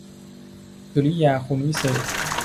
กริยาคุณศัพท์